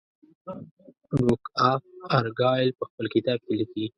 ډوک آف ارګایل په خپل کتاب کې لیکي.